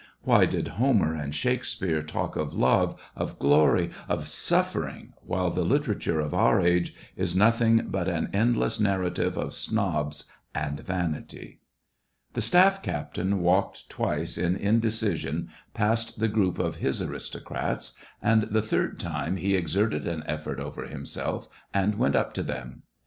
Why did Homer and Shakspeare talk of love, of glory, of suffering, while the literature of our age is nothing but an endless narrative of snobs and vanity ? The staff captain walked twice in indecision past the group of his aristocrats, and the third time he exerted an effort over himself and went up to them.